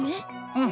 うん。